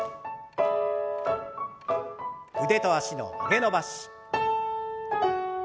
腕と脚の曲げ伸ばし。